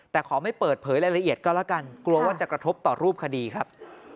แต่ขอไม่เปิดเผยรายละเอียดก็แล้วกันกลัวว่าจะกระทบต่อรูปคดีครับ